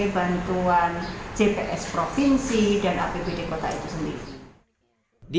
bps provinsi dan apbd kota itu sendiri